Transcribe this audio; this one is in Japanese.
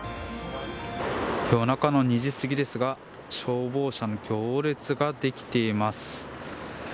夜中の２時過ぎですが消防車の行列ができています。